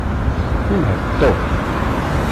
Inεel-d Tom.